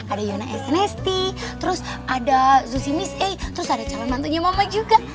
ada yona snsd terus ada zuzi miss a terus ada calon mantunya mama juga